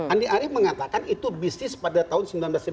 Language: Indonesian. andi arief mengatakan itu bisnis pada tahun seribu sembilan ratus sembilan puluh